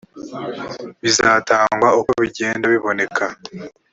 bizatangwa uko bigenda biboneka